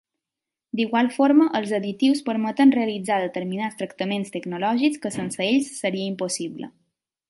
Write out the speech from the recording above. D'igual forma els additius permeten realitzar determinats tractaments tecnològics que sense ells seria impossible.